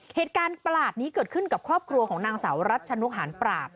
เหตุการณ์ประหลาดนี้เกิดขึ้นกับครอบครัวของนางสาวรัชนุหารปราบ